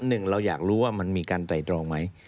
หนึ่งเราอยากรู้ว่ามันมีการไตรตรองไหม